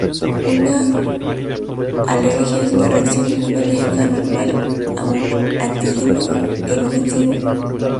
Una alergia es una reacción inmunológica anormal a un antígeno inofensivo.